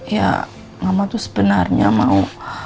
ya mama tuh sebenarnya mau